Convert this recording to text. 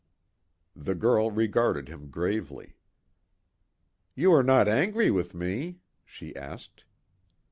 The girl regarded him gravely: "You are not angry with me?" she asked.